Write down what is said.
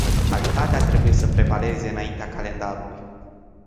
Calitatea trebuie să prevaleze înaintea calendarului.